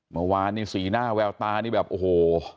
เมื่อวานนี่สีหน้าแววตาแบบอ่ะโห